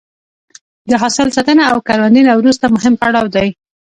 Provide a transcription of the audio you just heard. د حاصل ساتنه له کروندې نه وروسته مهم پړاو دی.